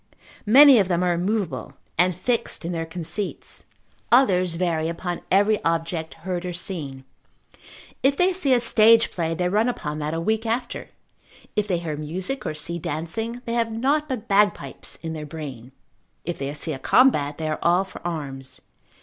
Many of them are immovable, and fixed in their conceits, others vary upon every object, heard or seen. If they see a stage play, they run upon that a week after; if they hear music, or see dancing, they have nought but bagpipes in their brain: if they see a combat, they are all for arms.